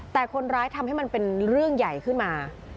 แต่คนร้ายทำให้มันเป็นเรื่องใหญ่ขึ้นมา